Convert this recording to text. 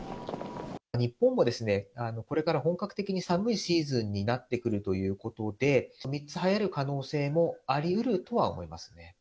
日本もですね、これから本格的に寒いシーズンになってくるということで、３つはやる可能性もありうるとは思いますね。